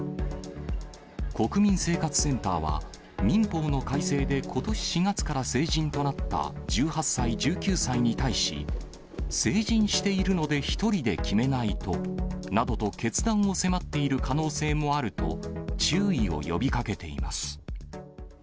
国民生活センターは、民法の改正でことし４月から成人となった１８歳、１９歳に対し、成人しているので１人で決めないと、などと決断を迫っている可能性もあると、注意を呼びかけています。